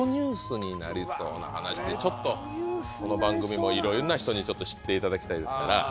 ちょっとこの番組もいろんな人に知っていただきたいですから。